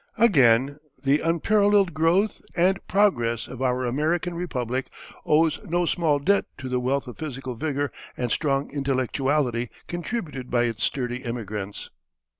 Again, the unparalleled growth and progress of our American republic owes no small debt to the wealth of physical vigor and strong intellectuality contributed by its sturdy emigrants.